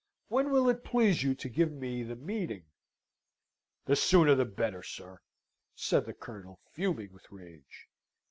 When will it please you to give me the meeting?" "The sooner the better, sir!" said the Colonel, fuming with rage.